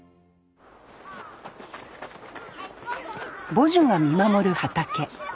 母樹が見守る畑。